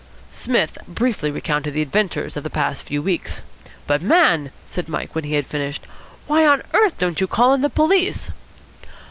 Psmith briefly recounted the adventures of the past few weeks. "But, man," said Mike, when he had finished "why on earth don't you call in the police?"